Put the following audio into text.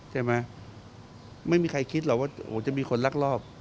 ใช่ไหมไม่มีใครคิดหรอกว่าจะมีคนลักลอบ